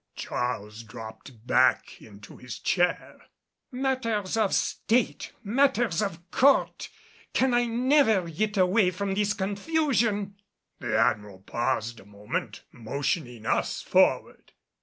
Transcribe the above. Charles dropped back into his chair. "Matters of State! Matters of Court! Can I never get away from this confusion?" The Admiral paused a moment, motioning us forward.